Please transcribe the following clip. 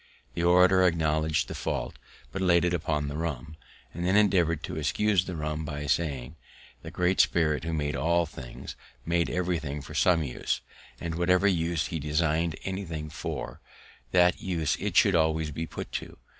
The orator acknowledg'd the fault, but laid it upon the rum; and then endeavoured to excuse the rum by saying, "_The Great Spirit, who made all things, made everything for some use, and whatever use he design'd anything for, that use it should always be put to.